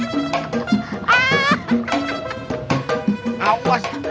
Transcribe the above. cep ada kanku bang